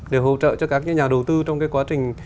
để hỗ trợ cho các nhà đầu tư trong cái quá trình